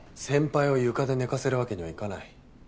先輩を床で寝かせる訳にはいかない。